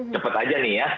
cepet aja nih ya